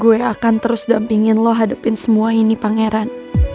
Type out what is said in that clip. gue akan terus dampingin lo hadepin semua ini pangeran